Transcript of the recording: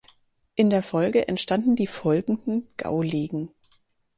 In der Folge entstanden die folgenden Gauligen.